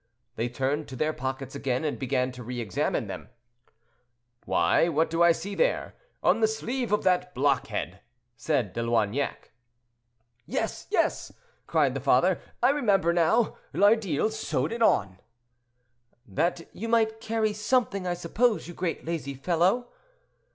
They turned to their pockets again, and began to re examine them. "Why, what do I see there, on the sleeve of that blockhead?" said De Loignac. "Yes, yes!" cried the father. "I remember, now, Lardille sewed it on." "That you might carry something, I suppose, you great lazy fellow."